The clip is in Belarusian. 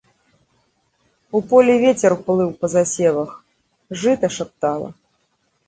У полі вецер плыў па засевах, жыта шаптала.